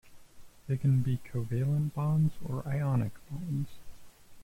They can be covalent bonds or ionic bonds.